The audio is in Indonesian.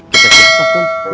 kita ke cibatu kang